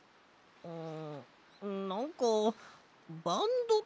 うん。